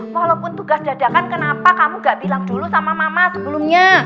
walaupun tugas dadakan kenapa kamu gak bilang dulu sama mama sebelumnya